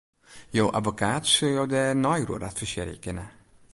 Jo abbekaat sil jo dêr neier oer advisearje kinne.